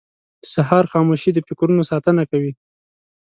• د سهار خاموشي د فکرونو ساتنه کوي.